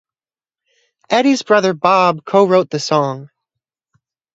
Eddie's brother Bob co-wrote the song.